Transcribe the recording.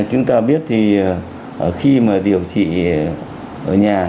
chúng ta biết thì khi mà điều trị ở nhà